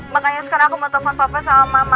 makanya sekarang aku mau telepon papa sama mama